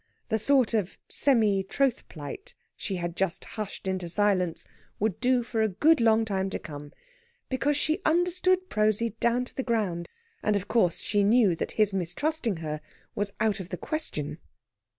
The sort of semi trothplight she had just hushed into silence would do for a good long time to come, because she understood Prosy down to the ground, and, of course, she knew that his mistrusting her was out of the question.